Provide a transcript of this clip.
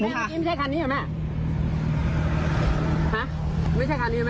ไม่นี่ไม่ใช่คันนี้หรอแม่